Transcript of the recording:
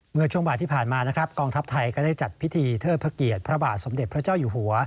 เมื่อช่วงบ่ายที่ผ่านมานะครับกองทัพไทยก็ได้จัดพิธีเทิดพระเกียรติพระบาทสมเด็จพระเจ้าอยู่หัว